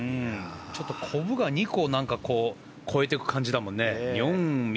ちょっと、コブを２つ越えていく形だもんね。